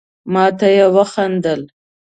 ما ته يي وخندل.